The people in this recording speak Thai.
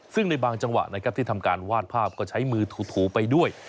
ซึ่งในบางจังหวะนะครับที่ทำการวาดภาพก็ใช้มือถูไปด้วย